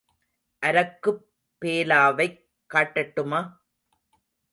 அரக்குப் பேலாவைக் காட்டட்டுமா?